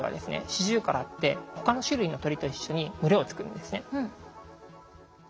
シジュウカラって他の種類の鳥と一緒に群れを作るんですね。